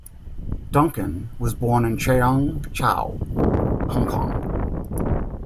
Duncan was born in Cheung Chau, Hong Kong.